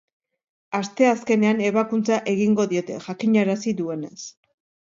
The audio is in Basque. Asteazkenean ebakuntza egingo diote, jakinarazi duenez.